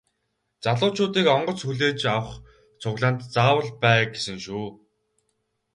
Залуучуудыг онгоц хүлээж авах цуглаанд заавал бай гэсэн шүү.